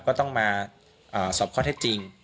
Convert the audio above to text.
ก็ต้องมาสอบข้อเท็จจริง